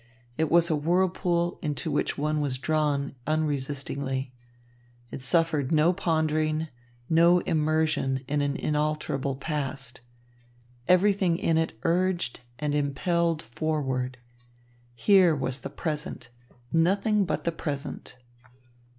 It was a whirlpool into which one was drawn unresistingly. It suffered no pondering, no immersion in an unalterable past. Everything in it urged and impelled forward. Here was the present, nothing but the present.